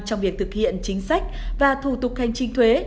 trong việc thực hiện chính sách và thủ tục hành chính thuế